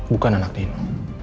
bukan anak nino